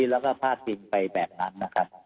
แล้วก็พาดพิงไปแบบนั้นนะครับ